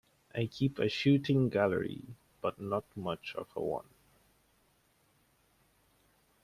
I keep a shooting gallery, but not much of a one.